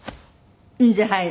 印税入る？